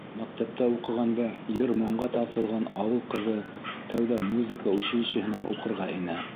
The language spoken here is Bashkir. Мәктәптә уҡығанда йыр-моңға тартылған ауыл ҡыҙы тәүҙә музыка училищеһына уҡырға инә.